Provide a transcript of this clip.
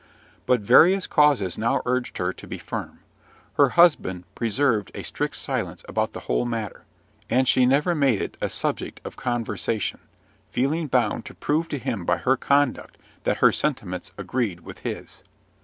But various causes now urged her to be firm. Her husband preserved a strict silence about the whole matter; and she never made it a subject of conversation, feeling bound to prove to him by her conduct that her sentiments agreed with his.